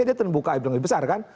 dia terbuka yang lebih besar kan